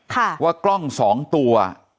ว่ากล้องสองตัว